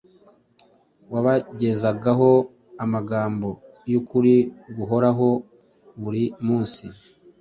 wabagezagaho amagambo y’ukuri guhoraho buri munsi.